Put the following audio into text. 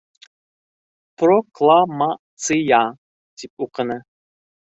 — Прокла-ма-ция, — тип уҡыны.